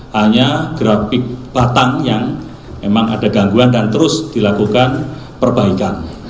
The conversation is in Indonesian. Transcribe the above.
hanya grafik batang yang memang ada gangguan dan terus dilakukan perbaikan